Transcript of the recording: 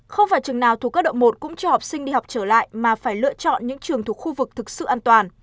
không phải trường nào thuộc cấp độ một cũng cho học sinh đi học trở lại mà phải lựa chọn những trường thuộc khu vực thực sự an toàn